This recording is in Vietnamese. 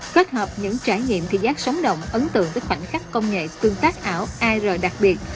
kết hợp những trải nghiệm thị giác sóng động ấn tượng với khoảnh khắc công nghệ tương tác ảo ar biệt